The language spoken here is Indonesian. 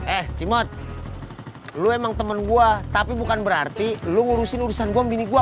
eh cimot lo emang temen gue tapi bukan berarti lo ngurusin urusan gue mini gue